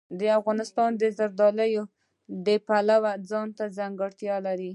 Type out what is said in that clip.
افغانستان د زردالو د پلوه ځانته ځانګړتیا لري.